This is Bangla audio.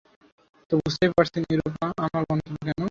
তো বুঝতেই পারছেন, ইউরোপা আমার গন্তব্য কেন।